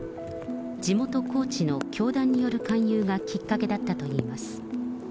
地元、高知の教団による勧誘がきっかけだったといいます。